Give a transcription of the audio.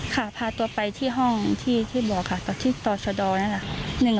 ค่ะพาตัวไปที่ห้องที่บลอค่ะที่จอดรนั่น๑ล้านค่ะ